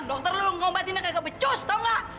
dokter lu ngobatinnya kayak kepecus tau nggak